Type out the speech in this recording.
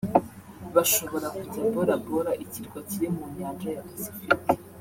bashobora kujya Bora Bora (Ikirwa kiri mu Nyanja ya Pacifique)